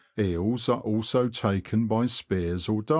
Eels are also taken by spears or darts.